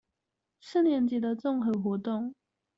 四年級的綜合活動